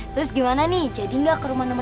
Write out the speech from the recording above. terus gimana nih jadi ga kerumah nomor tiga belas